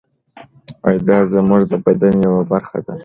دا زموږ د بدن یوه برخه ده.